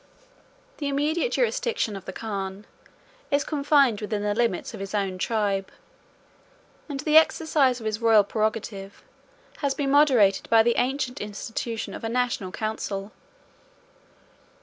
The immediate jurisdiction of the khan is confined within the limits of his own tribe; and the exercise of his royal prerogative has been moderated by the ancient institution of a national council.